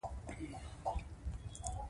د جګړې له امله خلکو سخت ژوند تېر کړ.